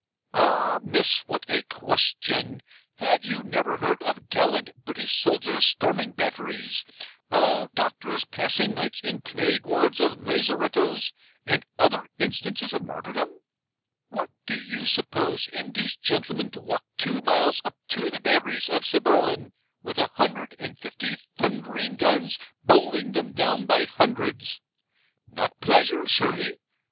Ah, Miss, what a question! Have you never heard of gallant British soldiers storming batteries, of doctors passing nights in plague wards of lazarettos, and other instances of martyrdom? What do you suppose induced gentlemen to walk two miles up to the batteries of Sabroan, with a hundred and fifty thundering guns bowling them down by hundreds? not pleasure, surely.